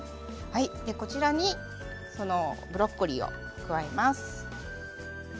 こちらにブロッコリーを加えます。